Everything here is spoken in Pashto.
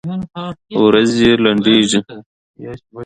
ورځي لنډيږي